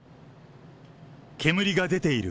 煙が出ている。